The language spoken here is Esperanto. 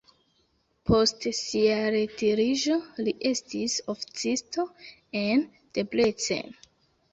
Post sia retiriĝo li estis oficisto en Debrecen.